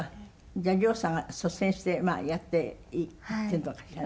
じゃあＲＩＯさんが率先してやっていってるのかしらね。